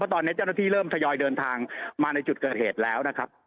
ตอนนี้เจ้าหน้าที่เริ่มทยอยเดินทางมาในจุดเกิดเหตุแล้วนะครับ